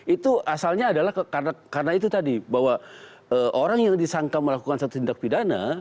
itu asalnya adalah karena itu tadi bahwa orang yang disangka melakukan satu tindak pidana